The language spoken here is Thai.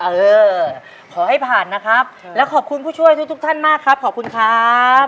เออขอให้ผ่านนะครับแล้วขอบคุณผู้ช่วยทุกทุกท่านมากครับขอบคุณครับ